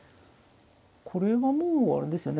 これはもうあれですよね